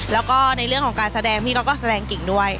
แล้วก็ในเรื่องของการแสดงพี่เขาก็แสดงเก่งด้วย